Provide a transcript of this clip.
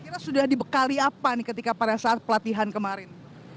kira kira sudah dibekali apa nih ketika pada saat pelatihan kemarin